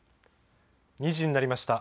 ２時になりました。